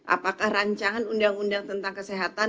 apakah rancangan undang undang tentang kesehatan